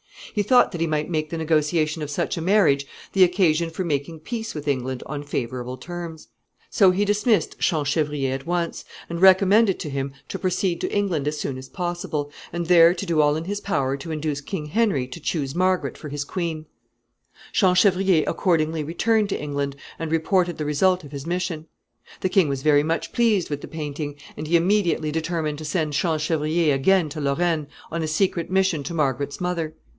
He thought that he might make the negotiation of such a marriage the occasion for making peace with England on favorable terms. So he dismissed Champchevrier at once, and recommended to him to proceed to England as soon as possible, and there to do all in his power to induce King Henry to choose Margaret for his queen. [Sidenote: Trouble in court.] Champchevrier accordingly returned to England and reported the result of his mission. The king was very much pleased with the painting, and he immediately determined to send Champchevrier again to Lorraine on a secret mission to Margaret's mother.